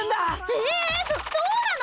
えっそそうなの！？